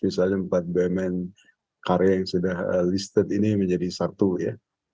misalnya empat bumn karya yang sudah listate ini menjadi satu ya